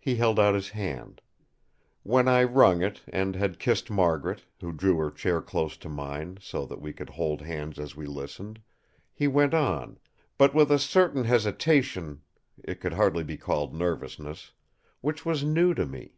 He held out his hand. When I wrung it, and had kissed Margaret, who drew her chair close to mine, so that we could hold hands as we listened, he went on, but with a certain hesitation—it could hardly be called nervousness—which was new to me.